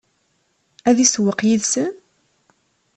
Ad isewweq yid-sen?